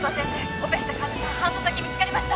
オペした患者さん搬送先見つかりました！